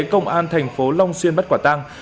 công an thành phố long xuyên bắt quả tăng